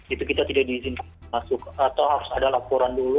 itu kita tidak diizinkan masuk atau harus ada laporan dulu